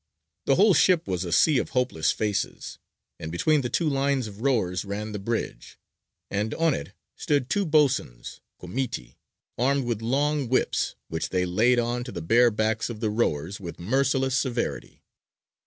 The whole ship was a sea of hopeless faces. And between the two lines of rowers ran the bridge, and on it stood two boatswains (comiti) armed with long whips, which they laid on to the bare backs of the rowers with merciless severity.